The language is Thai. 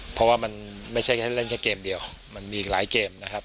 เพราะว่ามันไม่ใช่แค่เล่นแค่เกมเดียวมันมีอีกหลายเกมนะครับ